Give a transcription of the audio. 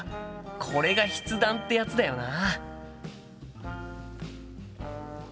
これが筆談ってやつだよな。